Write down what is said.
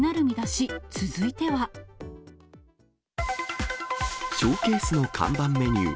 ショーケースの看板メニュー。